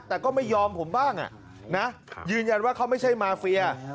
แต่ก็ไม่ยอมผมบ้างนะยืนยันว่าเขาไม่ใช่มาเฟีย